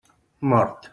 Mort.